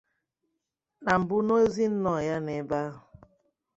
Na mbụ n'ozi nnọọ ya n'ebe ahụ